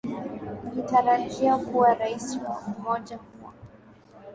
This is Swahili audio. ikitarajia kuwa rais wa umoja huo